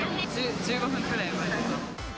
１５分くらい前に。